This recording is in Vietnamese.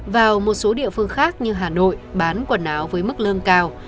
vào một số địa phương khác như hà nội bán quần áo với mức lương cao